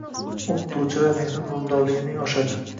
O‘qituvchilar mehnat unumdorligining oshadi.